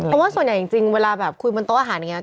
เพราะว่าส่วนใหญ่จริงเวลาแบบคุยบนโต๊ะอาหารอย่างนี้